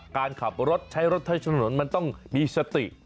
การขับรถใช้รถใช้ถนนมันต้องมีสติ